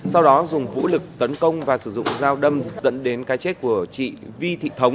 sau đó dùng vũ lực tấn công và sử dụng dao đâm dẫn đến cái chết của chị vi thị thống